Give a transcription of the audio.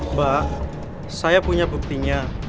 mbak saya punya buktinya